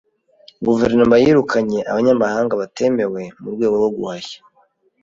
Guverinoma yirukanye abanyamahanga batemewe mu rwego rwo guhashya.